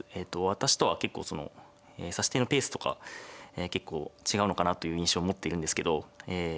私とは結構その指し手のペースとか結構違うのかなという印象を持っているんですけどええ